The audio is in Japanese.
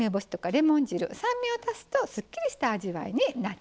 レモン汁酸味を足すとすっきりした味わいになってくれます。